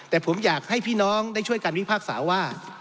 แต่ผมอยากให้พี่น้องได้ช่วยกันวิพากษาว่า